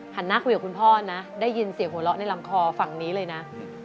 หน้าคุยกับคุณพ่อนะได้ยินเสียงหัวเราะในลำคอฝั่งนี้เลยนะ